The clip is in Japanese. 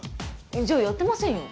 じゃあやってませんよ。